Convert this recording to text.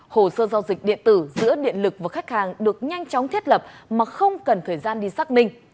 hồ sơ giao dịch điện tử giữa điện lực và khách hàng được nhanh chóng thiết lập mà không cần thời gian đi xác minh